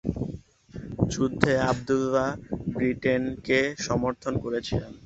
যুদ্ধে আবদুল্লাহ ব্রিটেনকে সমর্থন করেছিলেন।